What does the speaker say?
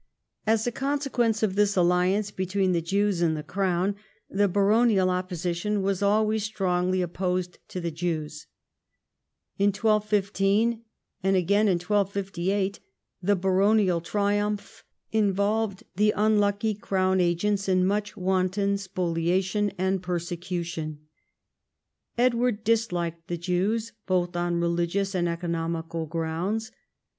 As a consequence of this alliance between the Jews and the Crown, the baronial opposition was always strongly opposed to the Jews, In 1215, and again in 1258, the baronial triumph involved the unlucky crown agents in much wanton spoliation and persecution. Edward disliked the Jews both on religious and economical grounds.